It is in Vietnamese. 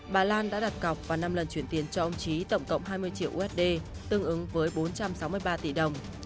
bà lan đã đặt cọc và năm lần chuyển tiền cho ông trí tổng cộng hai mươi triệu usd tương ứng với bốn trăm sáu mươi ba tỷ đồng